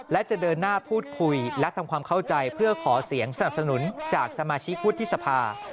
และจะเดินหน้าพูดคุยและทำความเข้าใจเพื่อขอเสียงสนับสนุนจากสมาชิกวุฒิสภา